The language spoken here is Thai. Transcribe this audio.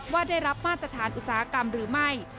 ว่าได้รับมาตรฐานอุตสาหกรรมหรือไม่